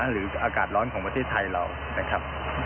หรืออากาศร้อนของประเทศไทยเรานะครับ